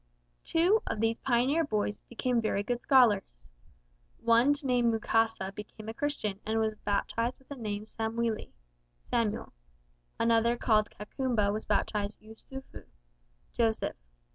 Two of these pioneer boys became very good scholars. One named Mukasa became a Christian and was baptised with the name Samweli (Samuel); another called Kakumba was baptised Yusufu (Joseph).